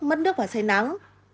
mất nước và say nắng